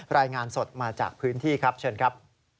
รายงานสดมาจากพื้นที่ครับเชิญครับ